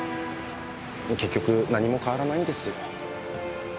結局何も変わらないんですよ。